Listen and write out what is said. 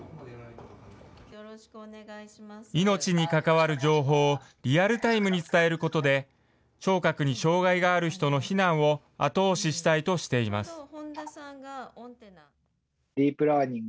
命に関わる情報をリアルタイムに伝えることで、聴覚に障害がある人の避難を後押ししたいとしています。